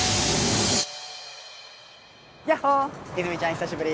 久しぶり